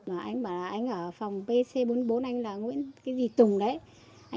anh bảo là anh ở phòng bc bốn mươi bốn anh là cái gì tùng đấy